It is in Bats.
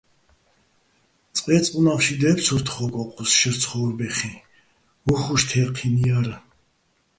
წყე́წყ უ̂ნა́ხში დე́ფცორ თხო́გო̆ ო́ჴუს შერ ცხო́ვრბეხიჼ, უ̂ხუშ თე́ჴინო̆ ჲარ.